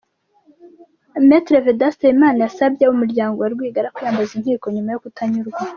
Me Vedaste Habimana yasabye abo mu muryango wa Rwigara kwiyambaza inkiko nyuma yo kutanyurwa.